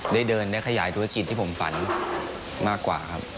ได้เดินได้ขยายธุรกิจที่ผมฝันมากกว่าครับ